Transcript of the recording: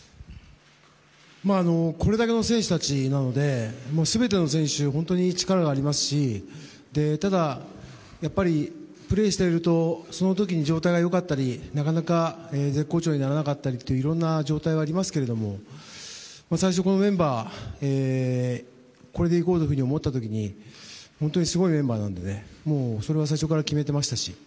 これだけの選手たちなので全ての選手が本当に力がありますしただ、やっぱりプレーしているとその時に状態が良かったりなかなか絶好調にならなかったりといろんな状態はありますけれども最初、このメンバーこれでいこうというふうに思った時に本当にすごいメンバーなのでそれは最初から決めていましたし